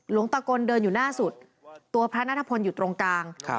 หลวงตะกลเดินอยู่หน้าสุดตัวพระนัทพลอยู่ตรงกลาง